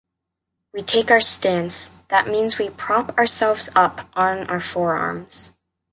We take our stance, that means we prop ourselves up on our forearms.